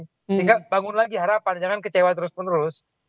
sehingga bangun lagi harapan jangan kecewa terus menerus